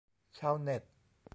ชาวเน็ต